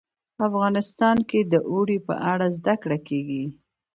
افغانستان کې د اوړي په اړه زده کړه کېږي.